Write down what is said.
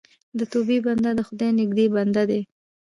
د توبې بنده د خدای نږدې بنده دی.